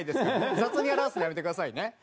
雑に表すのやめてくださいね。